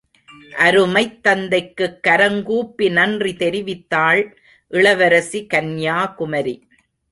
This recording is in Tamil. அருமைத் தந்தைக்குக் கரங்கூப்பி நன்றி தெரிவித்தாள் இளவரசி கன்யாகுமரி!